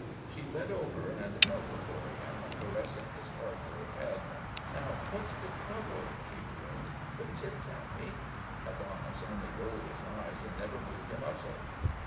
She bent over and knelt be fore him, caressing his hard little head. " Now what 's the trouble ?' she crooned. " Could n't ye tell me?" Adonis only rolled his eyes and never moved a muscle.